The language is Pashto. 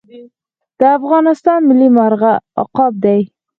د افغانستان ملي مرغه عقاب دی